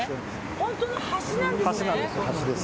本当に橋なんですね。